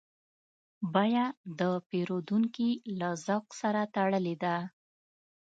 بیه د پیرودونکي له ذوق سره تړلې ده.